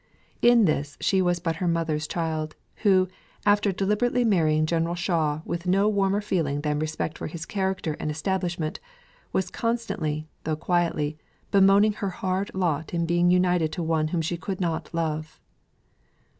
In this she was but her mother's child; who, after deliberately marrying General Shaw with no warmer feeling than respect for his character and establishment, was constantly, though quietly, bemoaning her hard lot in being united to one whom she could not love.